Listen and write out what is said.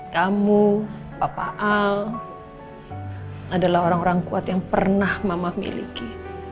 kamu papa al adalah orang orang kuat yang pernah mama miliki